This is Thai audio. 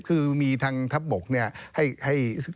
คือมีทางทัพบกเนี่ยให้